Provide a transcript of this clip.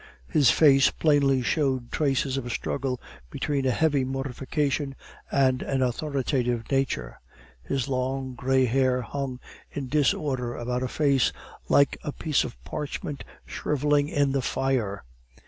His face plainly showed traces of a struggle between a heavy mortification and an authoritative nature; his long, gray hair hung in disorder about a face like a piece of parchment shriveling in the fire.